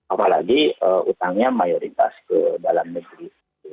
apalagi utangnya mayoritas ke dalam negeri